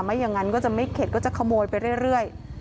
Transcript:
ไม่อย่างนั้นก็จะไม่เข็ดก็จะขโมยไปเรื่อย